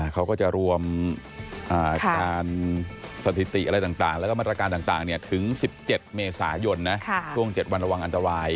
เขาก็จะรวมการสถิติอะไรต่างแล้วก็มาตรการต่างถึง๑๗เมษายนนะช่วง๗วันระวังอันตราย